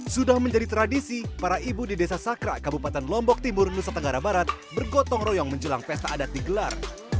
sudah menjadi tradisi para ibu di desa sakra kabupaten lombok timur nusa tenggara barat bergotong royong menjelang pesta adat digelar